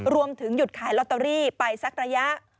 รวมถึงหยุดขายลอตเตอรี่ไปสักระยะ